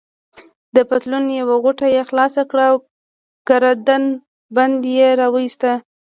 د پتلون یوه غوټه يې خلاصه کړه او ګردن بند يې راوایست.